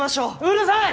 うるさい！